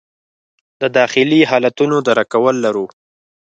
د داخلي حالتونو درک کول لرو.